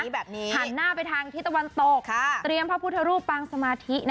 หันหน้าไปทางทิศตะวันตกเตรียมพระพุทธรูปปางสมาธิ